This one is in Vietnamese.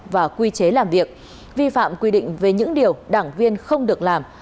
và quy chế làm việc vi phạm quy định về những điều đảng viên không được làm